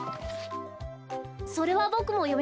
それはボクもよみました。